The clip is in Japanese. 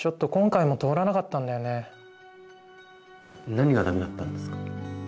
何がダメだったんですか？